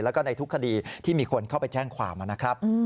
แล้วก็ในทุกคดีที่มีคนเข้าไปแจ้งความนะครับ